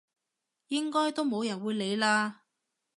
應該都冇人會理啦！